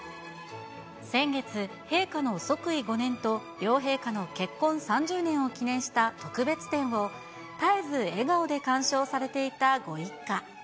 先月、陛下の即位５年と両陛下の結婚３０年を記念した特別展を、絶えず笑顔で鑑賞されていたご一家。